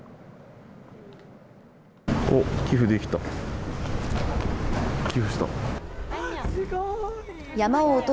おっ、寄付できた。